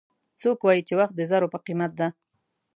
څوک وایي چې وخت د زرو په قیمت ده